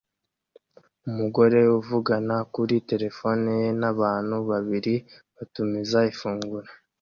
Umugore uvugana kuri terefone ye n'abantu babiri batumiza ifunguro